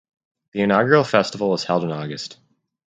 The inaugural festival was held in August.